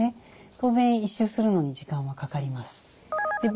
当然一周するのに時間はかかります。